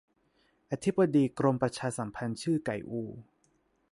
อธิบดี กรมประชาสัมพันธ์ ชื่อ ไก่อู